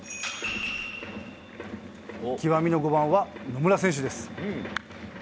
極みの５番は、野村選手です。